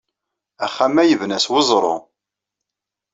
Axxam-a yebna s weẓru.